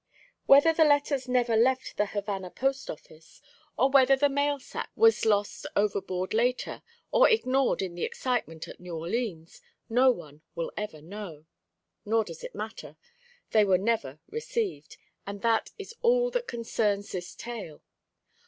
Whether the letters never left the Havana post office, or whether the mail sack was lost overboard later, or ignored in the excitement at New Orleans, no one will ever know. Nor does it matter; they were never received, and that is all that concerns this tale.